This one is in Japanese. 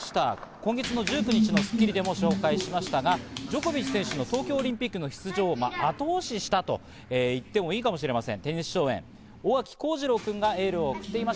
今月の１９日の『スッキリ』でも紹介しましたが、ジョコビッチ選手の東京オリンピックの出場を後押ししたと言ってもいいかもしれません。